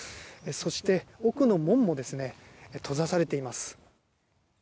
そして奥の門も閉ざされています。